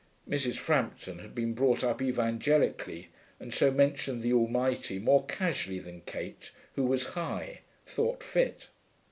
(Mrs. Frampton had been brought up evangelically, and so mentioned the Almighty more casually than Kate, who was High, thought fit.)